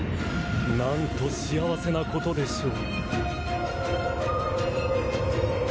なんと幸せなことでしょう。